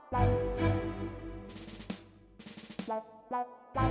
wah gambar gambar stomach gitu